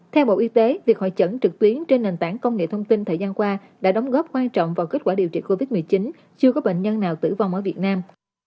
theo bộ y tế việc hội chẩn trực tuyến trên nền tảng công nghệ thông tin thời gian qua đã đóng góp quan trọng vào kết quả điều trị covid một mươi chín chưa có bệnh nhân nào tử vong ở việt nam